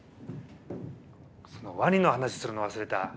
そのワニの話するの忘れた。